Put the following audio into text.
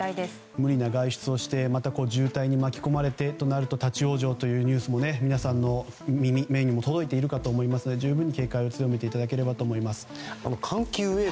無理な外出をして渋滞に巻き込まれてとなると立ち往生というニュースも皆さんの耳、目にも届いているかと思いますので十分警戒を強めていただければと思います。